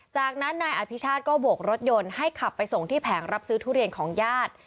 จากนั้นนายอภิชาติก็โบกรถยนต์ให้ขับไปส่งที่แผงรับซื้อทุเรียนของญาติ